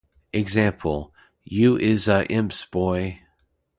Example: 'You is ah imps boy!